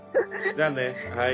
じゃあねはい。